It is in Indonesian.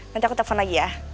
nanti aku telepon lagi ya